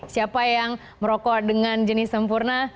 siapa yang merokok dengan jenis sempurna